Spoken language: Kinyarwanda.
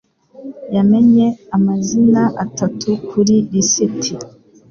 yamenye amazina atatu kuri lisiti.